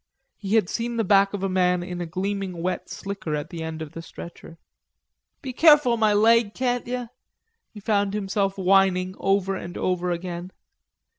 He had seen the back of a man in a gleaming wet slicker at the end of the stretcher. "Be careful of my leg, can't yer?" he found himself whining over and over again.